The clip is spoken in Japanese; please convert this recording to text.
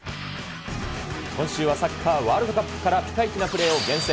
今週はサッカーワールドカップからピカイチなプレーを厳選。